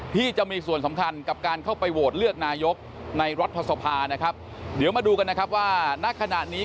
ที่จะมีส่วนสำคัญกับการเข้าไปโหวตเลือกนายกในรัฐสภานะครับเดี๋ยวมาดูกันนะครับว่าณขณะนี้